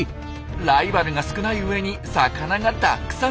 ライバルが少ない上に魚がたくさん！